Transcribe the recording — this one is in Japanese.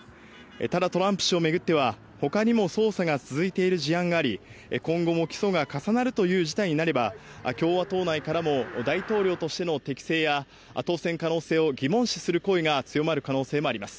ただトランプ氏を巡っては、他にも捜査が続いている事案があり、今後も起訴が重なるという事態になれば、共和党内からも大統領としての適性や当選可能性を疑問視する声が強まる可能性もあります。